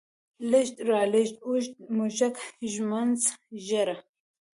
لېږد، رالېږد، اوږد، موږک، ږمنځ، ږيره